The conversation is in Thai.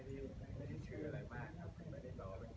คุณมาในตัวเป็นคนชอบดูดวงหรืออะไรบ้างครับ